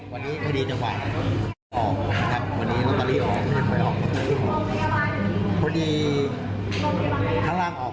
วันนี้พอดีจะว่าออกครับวันนี้ลอตเตอรี่ออกไม่ออก